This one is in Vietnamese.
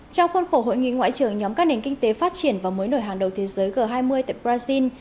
chào quân phổ hội nghị ngoại trưởng nhóm các nền kinh tế phát triển và mới nổi hàng đầu thế giới g hai mươi tại brazil